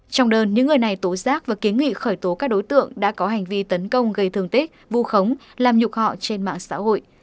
trong đơn những người này tố giác và kiến nghị khởi tố các đối tượng đã có hành vi tấn công gây thương tích vu khống làm nhục họ trên mạng xã hội